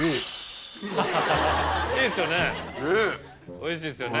おいしいですよね。